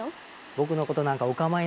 僕のことなんかお構いなし。